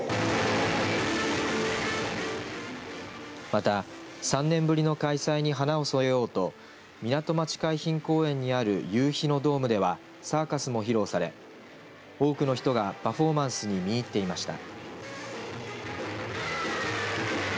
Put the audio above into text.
また、３年ぶりの開催に華を添えようとみなとまち海浜公園にある夕陽のドームではサーカスも披露され、多くの人がパフォーマンスに見入っていました。